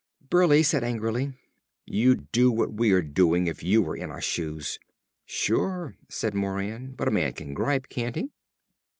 Burleigh said angrily; "You'd do what we are doing if you were in our shoes!" "Sure," said Moran, "but a man can gripe, can't he?"